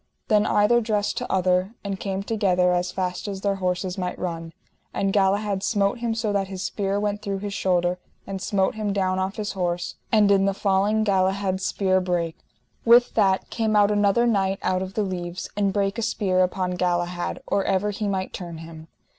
Then either dressed to other, and came together as fast as their horses might run, and Galahad smote him so that his spear went through his shoulder, and smote him down off his horse, and in the falling Galahad's spear brake. With that came out another knight out of the leaves, and brake a spear upon Galahad or ever he might turn him.